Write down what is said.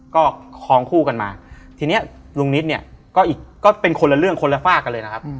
ก็คลองคู่กันมาทีนี้ลุงนิดเนี่ยก็อีกก็เป็นคนละเรื่องคนละฝากกันเลยนะครับ